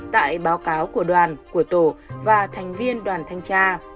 tại báo cáo của đoàn của tổ và thành viên đoàn thanh tra